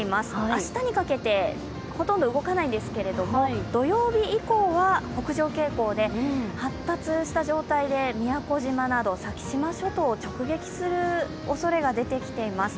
明日にかけてほとんど動かないんですけれども、土曜日以降は北上傾向で発達した状態で宮古島など先島諸島を直撃するおそれが出てきています。